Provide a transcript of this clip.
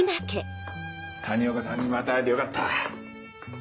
谷岡さんにまた会えてよかった。